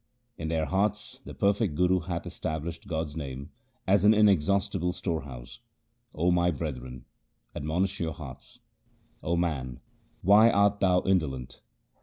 In their hearts the perfect Guru hath established God's name as an inexhaustible storehouse. O my brethren, admonish your hearts. O man, why art thou indolent